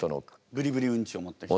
「ブリブリうんち」を持ってきて。